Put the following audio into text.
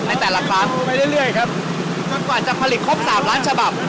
ในแต่ละครั้งไปเรื่อยครับจนกว่าจะผลิตครบสามล้านฉบับ